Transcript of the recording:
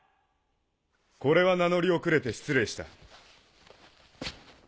これは名乗り遅れて失礼した。